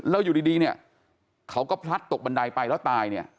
แล้วอยู่ดีเขาก็พลัดตกบันไดไปแล้วตาย